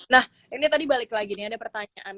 nah ini tadi balik lagi nih ada pertanyaan